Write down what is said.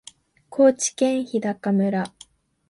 高知県日高村